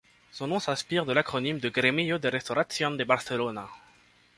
Son nom s'inspire de l'acronyme de Gremio de Restauración de Barcelona.